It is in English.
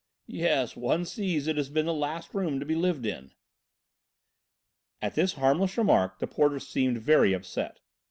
"Yes, one sees it has been the last room to be lived in." At this harmless remark the porter seemed very upset.